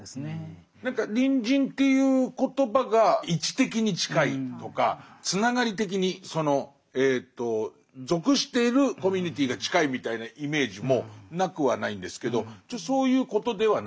何か隣人っていう言葉が位置的に近いとかつながり的にその属しているコミュニティーが近いみたいなイメージもなくはないんですけどちょっとそういうことではないですね。